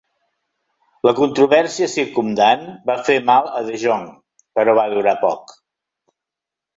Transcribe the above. La controvèrsia circumdant va fer mal a De Jong, però va durar poc.